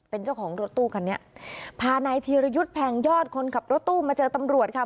เป็นเจ้าของรถตู้คันนี้พานายธีรยุทธ์แพงยอดคนขับรถตู้มาเจอตำรวจค่ะ